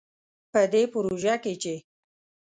په دې پروژه کې چې